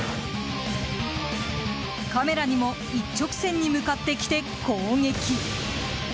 カメラにも一直線に向かってきて攻撃。